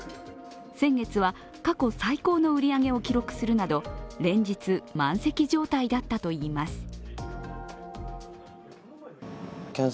先月は過去最高の売り上げを記録するなど連日、満席状態だったといいます。